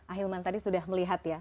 ahilman tadi sudah melihat ya